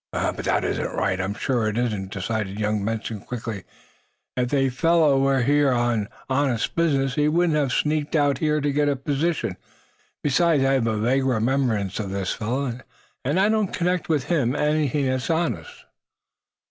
"But that isn't right; I'm sure it isn't," decided young Benson, quickly. "If they fellow were here on honest business, he wouldn't have sneaked out here to get in position. Besides, I have a vague remembrance of this fellow, and I don't connect him with anything honest!"